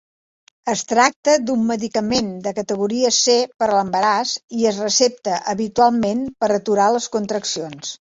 Es tracta d'un medicament de categoria C per a l'embaràs i es recepta habitualment per aturar les contraccions.